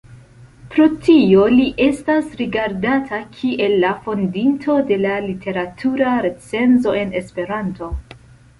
Pro tio li estas rigardata kiel la fondinto de la literatura recenzo en Esperanto.